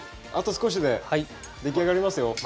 あと少しで出来上がりますよ。